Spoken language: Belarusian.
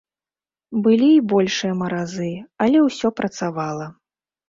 Былі і большыя маразы, але ўсё працавала.